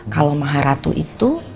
kalo maharatu itu